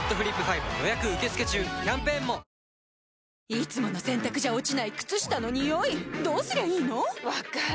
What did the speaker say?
いつもの洗たくじゃ落ちない靴下のニオイどうすりゃいいの⁉分かる。